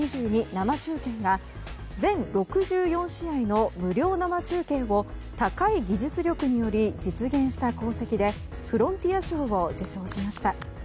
生中継が全６４試合の無料生中継を高い技術力により実現した功績でフロンティア賞を受賞しました。